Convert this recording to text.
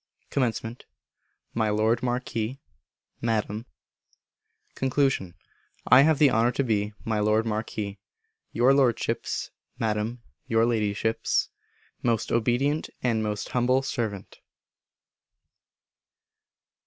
Comm. My Lord Marquis (Madam). Con. I have the honour to be, My Lord Marquis, Your Lordship's (Madam, Your Ladyship's) most obedient and most humble servant.